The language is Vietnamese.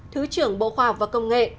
thứ trưởng bộ khoa học và công nghệ